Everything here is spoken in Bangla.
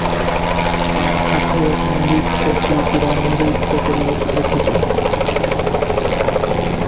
তার সাথে নৃত্যশিল্পীরা নৃত্য পরিবেশন করে থাকেন।